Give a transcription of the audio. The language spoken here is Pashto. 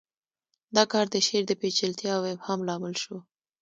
دا کار د شعر د پیچلتیا او ابهام لامل شو